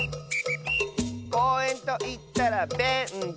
「こうえんといったらベンチ！」